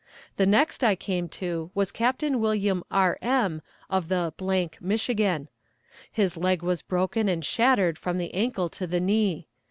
The next I came to was Captain Wm. R. M., of the Michigan. His leg was broken and shattered from the ankle to the knee.